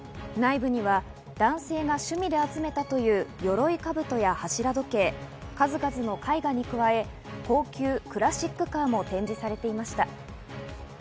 内部には男性が趣味で集めたという鎧兜や柱時計、数々の絵画に加え、高級クラシックカーも展示されていました。